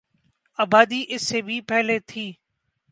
آبادی اس سے بھی پہلے تھی